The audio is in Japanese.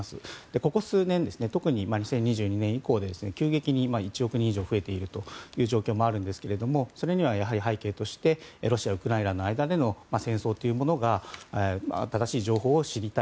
ここ数年、特に２０２２年以降で急激に１億人以上増えているという状況もあるんですけどそれには、背景としてロシア・ウクライナの間での戦争というものが正しい情報を知りたい。